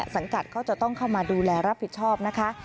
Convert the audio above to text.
สังกัดก็จะต้องเข้ามาดูแลรับผิดชอบนะคะ